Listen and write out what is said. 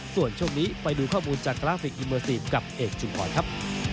ส่วนช่วงนี้ไปดูข้อมูลจากกราฟิกอิเมอร์ซีฟกับเอกชุมพรครับ